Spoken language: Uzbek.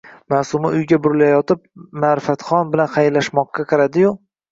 Maʼsuma uyiga burilayotib, Maʼrifatxon bilan xayrlashmoqqa qaradi-yu